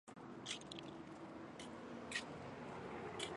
短芒纤毛草为禾本科鹅观草属下的一个变种。